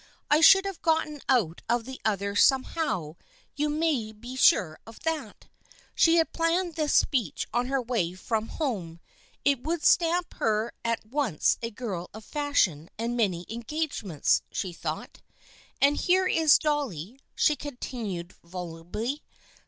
I should have gotten out of the other somehow, you may be sure of that." She had planned this speech on her way from home. It would stamp her at once as a girl of fashion and many engagements, she thought. " And here is Dolly," she continued volubly.